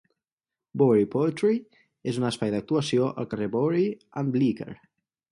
Bowery Poetry és un espai d'actuació al carrer Bowery and Bleecker.